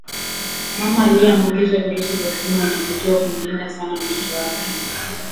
mama aliyeambukizwa virusi vya ukimwi anatakiwa kumlinda sana mtoto wake